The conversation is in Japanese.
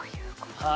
はい。